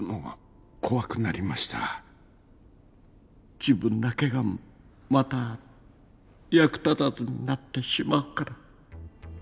自分だけがまた役立たずになってしまうから。